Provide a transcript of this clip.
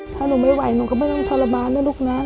ถ้าหนูไม่ไหวหนูก็ไม่ต้องทรมานนะลูกนะ